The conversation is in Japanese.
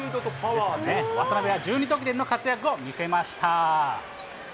渡邊は１２得点の活躍を見せました。